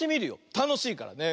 たのしいからね。